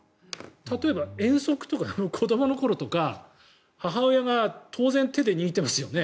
例えば遠足とか、子どもの頃とか母親が当然手で握っていますよね。